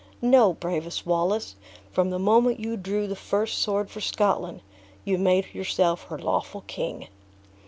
No, bravest Wallace, from the moment you drew the first sword for Scotland, you made yourself her lawful king."